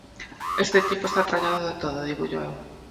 Este tipo está trallado de todo, dígollo eu.